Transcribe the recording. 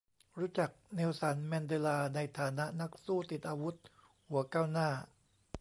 รู้จัก เนลสัน แมนเดลา ในฐานะนักสู้ติดอาวุธหัวก้าวหน้า